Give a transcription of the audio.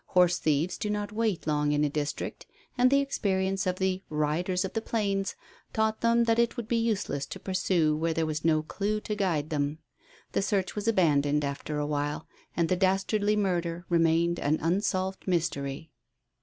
Horse thieves do not wait long in a district, and the experience of the "riders of the plains" taught them that it would be useless to pursue where there was no clue to guide them. The search was abandoned after a while, and the dastardly murder remained an unsolved mystery.